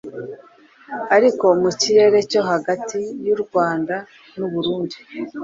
ariko mu kirere cyo hagati yurwanda nuburundi